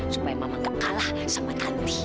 supaya mama gak kalah sama nanti